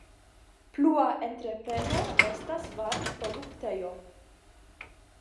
Plua entrepreno estas varmproduktejo.